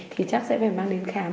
thì chắc sẽ phải mang đến khám